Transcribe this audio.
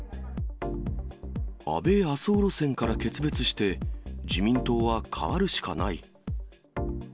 安倍・麻生路線から決別して、自民党は変わるしかない。